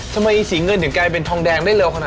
ทำไมสีเงินถึงกลายเป็นทองแดงได้เร็วขนาดนั้น